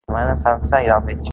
Demà na Sança irà al metge.